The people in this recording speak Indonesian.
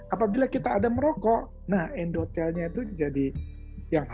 apabila kita ada merokok endotelnya itu jadi yang halus